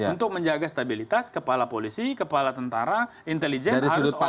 untuk menjaga stabilitas kepala polisi kepala tentara intelijen harus orangnya satu jalan